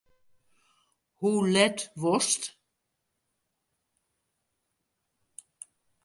Hoe let wolst?